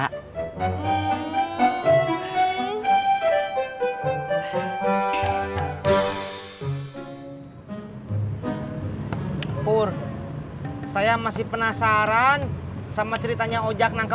baru kurang pakai pasang pengece bi leurs pengece